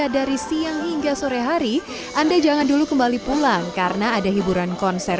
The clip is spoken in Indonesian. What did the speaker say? dua ribu dua puluh tiga dari siang hingga sore hari anda jangan dulu kembali pulang karena ada hiburan konser